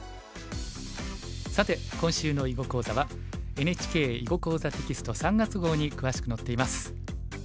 さて今週の囲碁講座はＮＨＫ「囲碁講座」テキスト３月号に詳しく載っています。